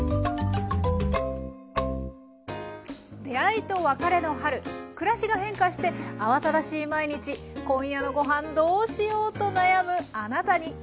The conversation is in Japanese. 出会いと別れの春暮らしが変化して慌ただしい毎日「今夜のごはんどうしよう」と悩むあなたに。